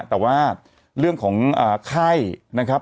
แต่ว่าเรื่องของไข้นะครับ